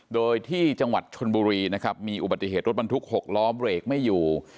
โดยที่จังหวัดชนบุรีนะครับมีอุบัติเหตุรถบรรทุก๖ล้อเบรกไม่อยู่